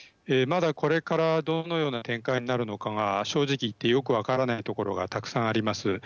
まだ、これからどのような展開になるのかが正直言って、よく分からないところがたくさんあります。